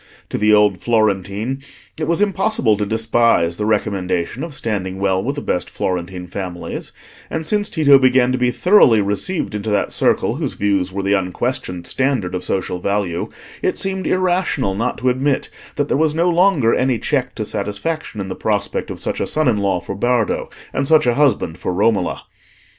To the old Florentine it was impossible to despise the recommendation of standing well with the best Florentine families, and since Tito began to be thoroughly received into that circle whose views were the unquestioned standard of social value, it seemed irrational not to admit that there was no longer any check to satisfaction in the prospect of such a son in law for Bardo, and such a husband for Romola.